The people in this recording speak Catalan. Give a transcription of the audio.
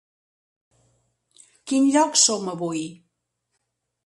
Quin lloc som avui?